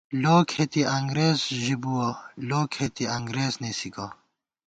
لو کھېتی انگرېز ژِبُوَہ ، لو کھېتی انگرېز نېسی گہ